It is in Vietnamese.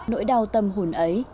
nỗi đau tâm hồn ấy